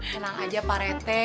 tenang aja pak r t